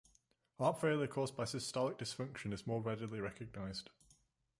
Heart failure caused by systolic dysfunction is more readily recognized.